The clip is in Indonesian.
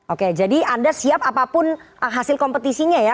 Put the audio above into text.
oke jadi anda siap apapun hasil kompetisinya ya